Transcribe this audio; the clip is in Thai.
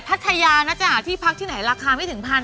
พัทยานะจะหาที่พักที่ไหนราคาไม่ถึง๑๐๐